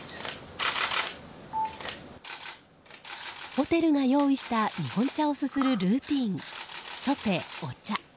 ホテルが用意した日本茶をすするルーティン、初手お茶。